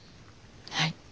はい。